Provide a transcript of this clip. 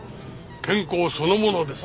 健康そのものです。